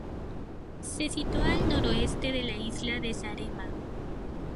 Se sitúa al noroeste de la isla de Saaremaa.